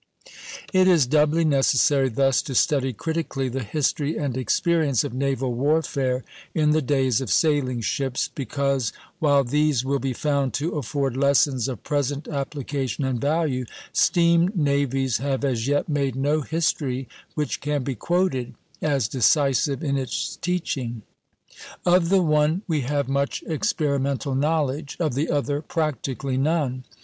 It is doubly necessary thus to study critically the history and experience of naval warfare in the days of sailing ships, because while these will be found to afford lessons of present application and value, steam navies have as yet made no history which can be quoted as decisive in its teaching. Of the one we have much experimental knowledge; of the other, practically none.